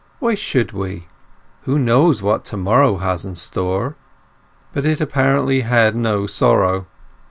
Why should we! Who knows what to morrow has in store?" But it apparently had no sorrow.